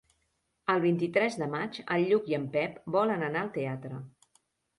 El vint-i-tres de maig en Lluc i en Pep volen anar al teatre.